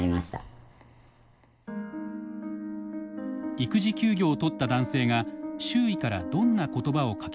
育児休業を取った男性が周囲からどんな言葉をかけられたのか。